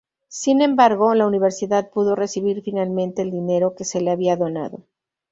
Sin embargo, la Universidad pudo recibir finalmente el dinero que se le había donado.